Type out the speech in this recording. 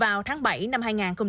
vào tháng bảy năm hai nghìn hai mươi ba